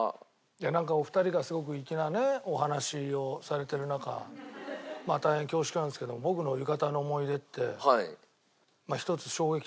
なんかお二人がすごく粋なねお話をされてる中大変恐縮なんですけど僕の浴衣の思い出って１つ衝撃的な事がありまして。